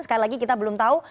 sekali lagi kita belum tahu